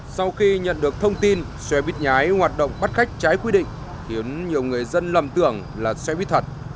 sau khi nhận được thông tin xe buýt nhái hoạt động bắt khách trái quy định khiến nhiều người dân lầm tưởng là xe buýt thật